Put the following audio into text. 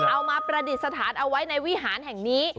เอามาประดิษฐานเอาไว้ในวิหารแห่งนี้